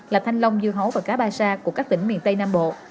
là thanh long dưa hấu và cá ba sa của các tỉnh miền tây nam bộ